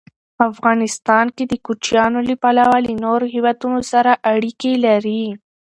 افغانستان د کوچیانو له پلوه له نورو هېوادونو سره اړیکې لري.